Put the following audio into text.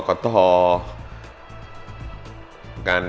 กรกฎทอง